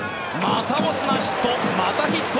またオスナ、ヒット。